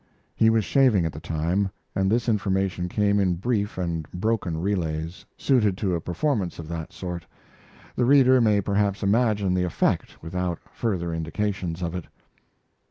He was shaving at the time, and this information came in brief and broken relays, suited to a performance of that sort. The reader may perhaps imagine the effect without further indication of it.